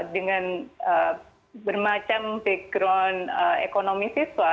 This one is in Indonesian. dengan bermacam background ekonomi siswa